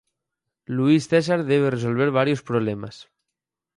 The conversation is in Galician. Luís César debe resolver varios problemas.